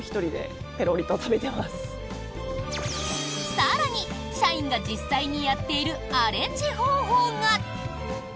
更に、社員が実際にやっているアレンジ方法が。